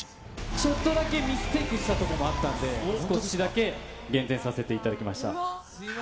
ちょっとだけミステイクしたとこもあったので、少しだけ減点させていただきました。